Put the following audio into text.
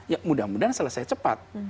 ya mudah mudahan selesai cepat